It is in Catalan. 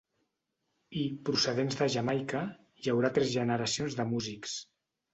I, procedents de Jamaica, hi haurà tres generacions de músics.